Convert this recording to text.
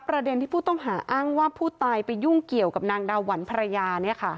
ประเด็นที่ผู้ต้องหาอ้างว่าผู้ตายไปยุ่งเกี่ยวกับนางดาหวันภรรยา